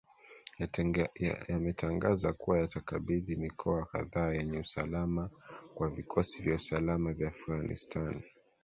yametangaza kuwa yatakabidhi mikoa kadhaa yenye usalama kwa vikosi vya usalama vya afghanistan